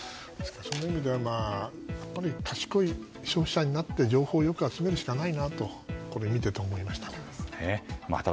そういう意味では賢い消費者になって情報をよく集めるしかないなとこれを見ていて思いました。